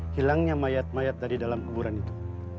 hilangnya mayat mayat dari dalam kuburan itu